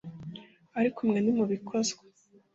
Ariko mwe, ntimubikozwa !